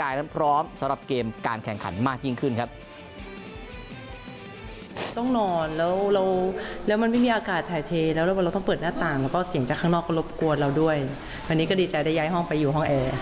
ก็รบกวนเราด้วยวันนี้ก็ดีใจได้ย้ายห้องไปอยู่ห้องแอร์